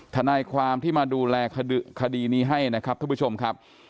ทนายความที่มาดูแลคดีนี้ให้นะครับท่านผู้ชมครับ